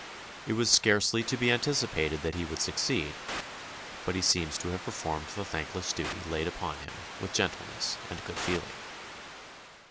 It was scarcely to be anticipated that he would succeed, but he seems to have performed the thankless duty laid upon him with gentleness and good feeling.